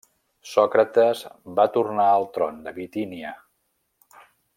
Sòcrates va tornar al tron de Bitínia.